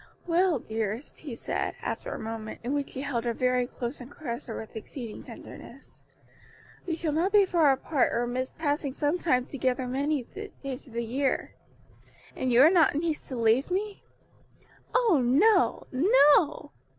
"Well, dearest," he said, after a moment, in which he held her very close and caressed her with exceeding tenderness, "we shall not be far apart or miss passing some time together many days of the year. And you are not in haste to leave me?" "Oh, no, no!